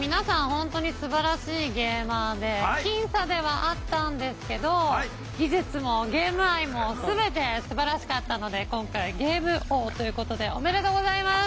本当にすばらしいゲーマーで僅差ではあったんですけど技術もゲーム愛も全てすばらしかったので今回ゲーム王ということでおめでとうございます！